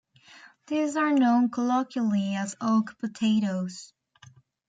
These are known colloquially as oak potatoes.